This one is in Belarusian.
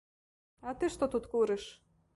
А ты што тут курыш?